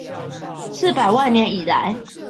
四百萬年以來